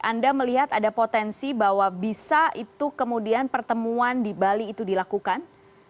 anda melihat ada potensi bahwa bisa itu kemudian pertemuan di bali itu dilakukan